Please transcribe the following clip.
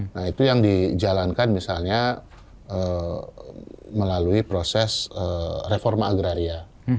nah itu yang dijalankan misalnya melalui proses reforma agraria